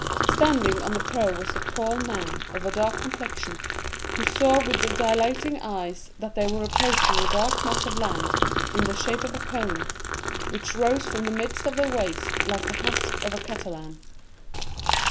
Standing on the prow was a tall man, of a dark complexion, who saw with dilating eyes that they were approaching a dark mass of land in the shape of a cone, which rose from the midst of the waves like the hat of a Catalan.